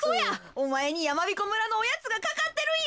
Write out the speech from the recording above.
おまえにやまびこ村のおやつがかかってるんや。